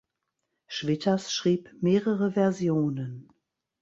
Schwitters schrieb mehrere Versionen.